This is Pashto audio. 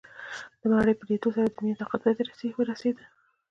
د مړي په ليدو سره د مينې طاقت پاى ته ورسېد.